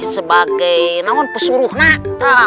sebagai pesuruh nak